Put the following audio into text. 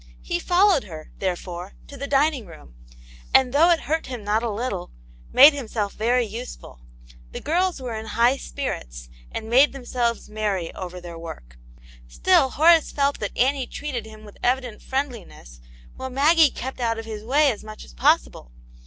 He followed her, therefore, to the dining room, and, though it hurt him not a little, made himself very useful. The girls were in high spirits, and made themselves merry over their work : still Horace felt that Annie treated him with evident friendliness, while Maggie kept out of his way as much as possible.